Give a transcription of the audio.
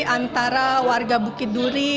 antara warga bukit duri